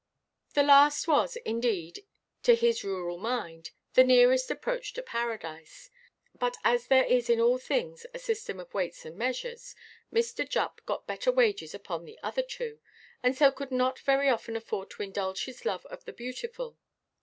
That last was, indeed, to his rural mind, the nearest approach to Paradise; but as there is in all things a system of weights and measures, Mr. Jupp got better wages upon the other two, and so could not very often afford to indulge his love of the beautiful.